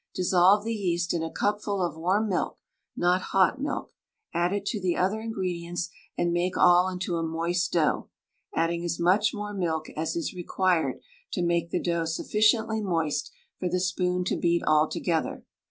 Dissolve the yeast in a cupful of warm milk (not hot milk) add it to the other ingredients, and make all into a moist dough, adding as much more milk as is required to make the dough sufficiently moist for the spoon to beat all together.